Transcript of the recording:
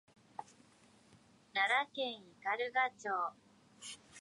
奈良県斑鳩町